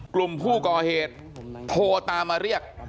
กลุ่มผู้ก่อเหตุโทรตามมาเรียก